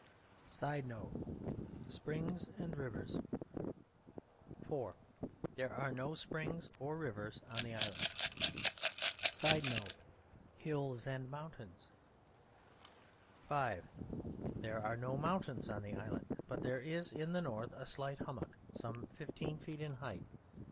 [Sidenote: Springs and Rivers.] IV. There are no springs or rivers in the Island. [Sidenote: Hills and Mountains.] V. There are no mountains on the Island, but there is in the North a slight hummock some fifteen feet in height.